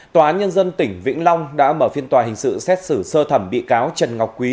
tòa án nhân dân tỉnh vĩnh long đã mở phiên tòa hình sự xét xử sơ thẩm bị cáo trần ngọc quý